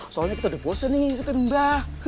soalnya kita udah bose nih kita nunggu